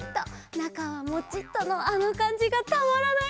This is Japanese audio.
なかはモチッとのあのかんじがたまらないんだよね。